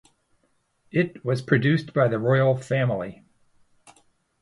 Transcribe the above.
It was produced by the Royal Family.